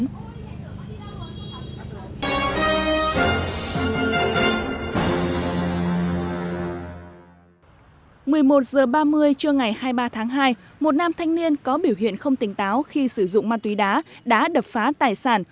một mươi một h ba mươi trưa ngày hai mươi ba tháng hai một nam thanh niên có biểu hiện không tỉnh táo khi sử dụng ma túy đá đã đập phá tài sản